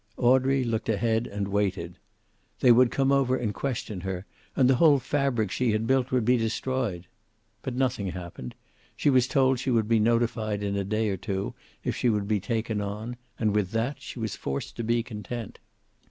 Audrey looked ahead, and waited. They would come over and question her, and the whole fabric she had built would be destroyed. But nothing happened. She was told she would be notified in a day or two if she would be taken on, and with that she was forced to be content.